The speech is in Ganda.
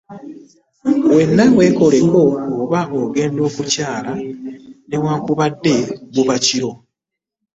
Wenna weekoleko oba ng'agenda okukyala newankubadde buba kiro.